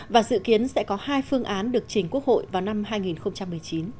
và dự kiến sẽ có hai phương án được trình quốc hội vào năm hai nghìn một mươi chín